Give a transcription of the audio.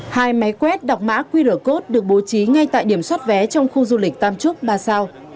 hai máy quét đọc mã qr code được bố trí ngay tại điểm xuất vé trong khu du lịch tam trúc ba sao